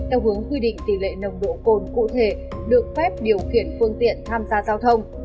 theo hướng quy định tỷ lệ nồng độ cồn cụ thể được phép điều khiển phương tiện tham gia giao thông